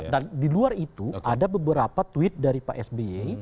dan di luar itu ada beberapa tweet dari pak sby